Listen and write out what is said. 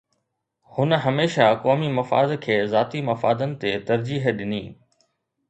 هن هميشه قومي مفاد کي ذاتي مفادن تي ترجيح ڏني.